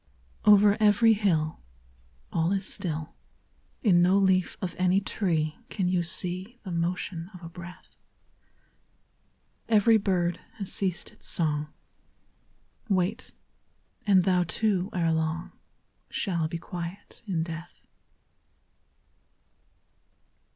I Over every hill All is still ; In no leaf of any tree Can you see The motion of a breath. Every bird has ceased its song, Wait ; and thou too, ere long, Shall be quiet in death.